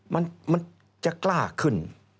มันจะกล้าขึ้น